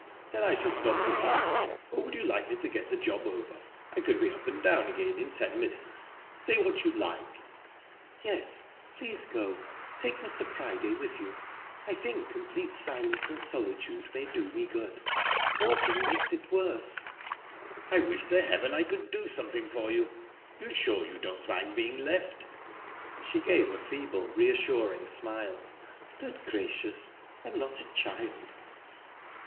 "Then, shall I stop with you, or would you like me to get the job over? I could be up and down again in ten minutes. Say what you'd like." "Yes, please go. Take Mr. Priday with you. I think complete silence and solitude may do me good. Talking makes it worse." "I wish to heaven I could do something for you!...You're sure you don't mind being left?" She gave a feeble, reassuring smile. "Good gracious! I'm not a child."